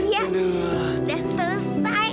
ya udah selesai